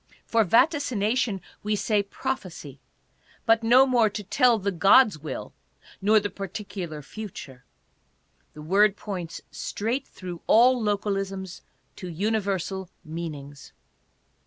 For vaticination we say, prophecy, but no more to tell the god's will, nor the particu lar future. The word points straight through all localisms to universal meanings.